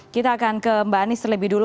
kita akan ke mbak anies terlebih dulu